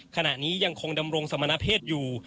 ขณะนี้ยังคงดำรงสมณเพศอยู่